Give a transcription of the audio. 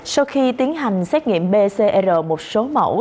sau khi tiến hành xét nghiệm pcr một số mẫu